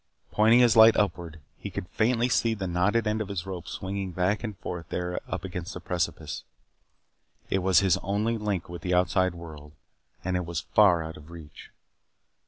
Pointing his light upward, he could faintly see the knotted end of his rope swinging back and forth up there against the precipice. It was his only link with the outside world, and it was far out of reach.